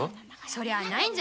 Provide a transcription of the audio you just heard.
そりゃないわよ。